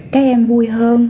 các em vui hơn